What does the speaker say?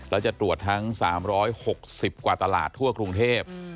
แล้วจะตรวจทั้ง๓๖๐กว่าตลาดทั่วกรุงเทพ